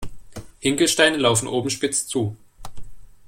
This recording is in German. Hinkelsteine laufen oben spitz zu.